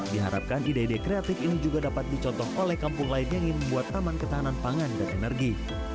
diharapkan ide ide kreatif ini juga dapat dicontoh oleh kampung lain yang ingin membuat aman ketahanan pangan dan energi